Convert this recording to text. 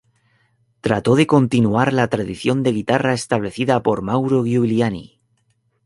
Trató de continuar la tradición de guitarra establecida por Mauro Giuliani.